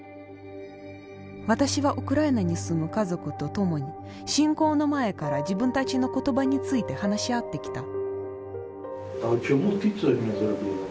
私はウクライナに住む家族と共に侵攻の前から自分たちの言葉について話し合ってきた。